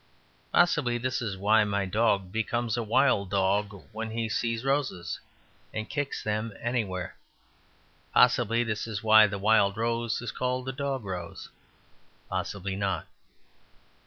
Possibly this is why my dog becomes a wild dog when he sees roses, and kicks them anywhere. Possibly this is why the wild rose is called a dog rose. Possibly not.